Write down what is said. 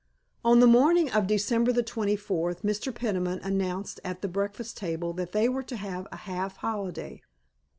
On the morning of December 24th Mr. Peniman announced at the breakfast table that they were to have a half holiday.